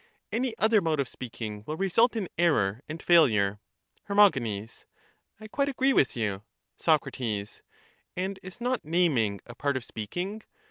Any other mode of speaking will result in error and failure. Her. I quite agree with you. Soc. And is not naming a part of speaking?